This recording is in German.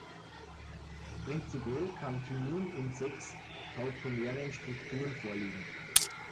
Prinzipiell kann Thymin in sechs tautomeren Strukturen vorliegen.